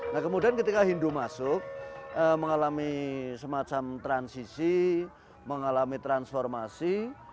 nah kemudian ketika hindu masuk mengalami semacam transisi mengalami transformasi